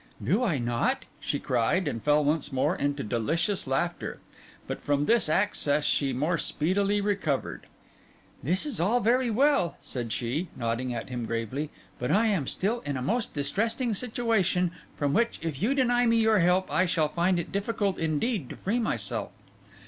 'Do I not?' she cried, and fell once more into delicious laughter. But from this access she more speedily recovered. 'This is all very well,' said she, nodding at him gravely, 'but I am still in a most distressing situation, from which, if you deny me your help, I shall find it difficult indeed to free myself.